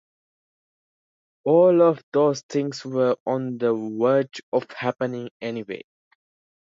All of those things were on the verge of happening anyway.